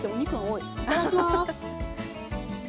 いただきます。